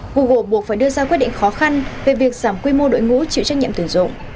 google buộc phải đưa ra quyết định khó khăn về việc giảm quy mô đội ngũ chịu trách nhiệm tuyển dụng